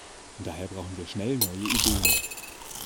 Daher brauchen wir schnell neue Ideen.